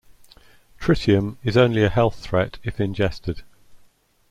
Tritium is only a health threat if ingested.